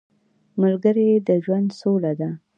ملګری د ژوند سوله ده